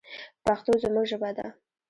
پښتو زموږ ژبه ده